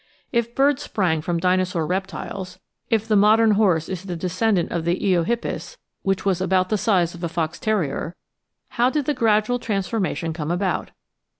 If birds sprang from Dinosaur reptiles, if the modern horse is the descend ant of Eohippus, which was about the size of a fox terrier, how did the gradual transformation come about?